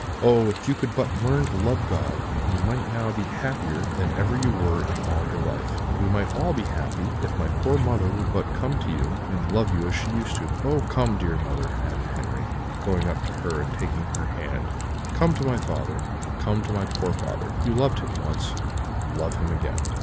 Oh! if you could but learn to love God, you might now be happier than ever you were in all your life; and we might all be happy if my poor mother would but come to you and love you as she used to do. Oh! come, dear mother,' added Henri, going up to her and taking her hand; 'come to my father, come to my poor father! You loved him once, love him again.'